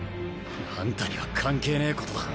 あんたには関係ねえことだ。